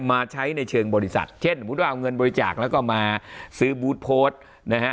มาใช้ในเชิงบริษัทเช่นสมมุติว่าเอาเงินบริจาคแล้วก็มาซื้อบูธโพสต์นะฮะ